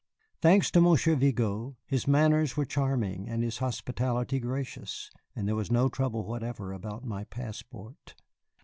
Thanks to Monsieur Vigo, his manners were charming and his hospitality gracious, and there was no trouble whatever about my passport.